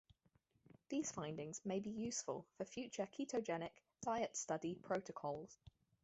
These findings may be useful for future ketogenic diet study protocols.